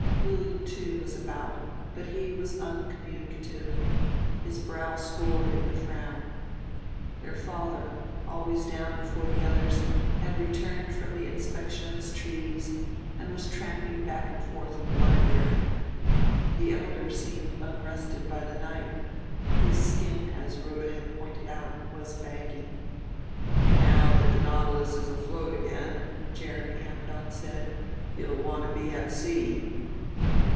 William, too, was about, but he was uncommunicative, his brow scored in a frown. Their father, always down before the others, had returned from the inspection of his trees, and was tramping back and forth in the library. The elder seemed unrested by the night, his skin, as Rhoda had pointed out, was baggy. "Now that the Nautilus is afloat again," Jeremy Ammidon said, "you'll want to be at sea."